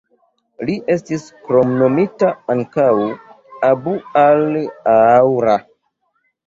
Li estis kromnomita ankaŭ "Abu-al-Aaŭar".